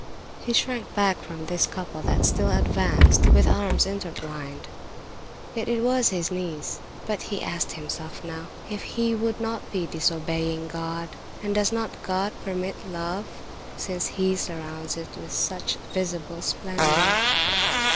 He shrank back from this couple that still advanced with arms intertwined. Yet it was his niece. But he asked himself now if he would not be disobeying God. And does not God permit love, since He surrounds it with such visible splendor?